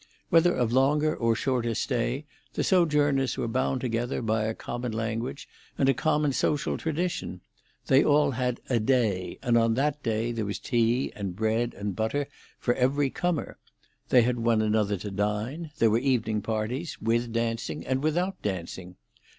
Whether of longer or shorter stay, the sojourners were bound together by a common language and a common social tradition; they all had a Day, and on that day there was tea and bread and butter for every comer. They had one another to dine; there were evening parties, with dancing and without dancing.